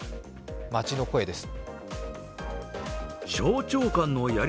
街の声です。